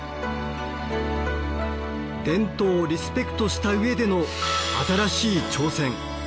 伝統をリスペクトした上での新しい挑戦。